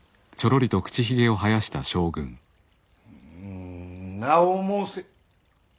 ん名を申せ。